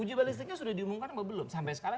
uji balistiknya sudah diumumkan atau belum sampai sekarang